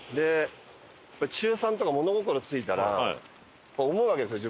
中３とか物心ついたら思うわけですよ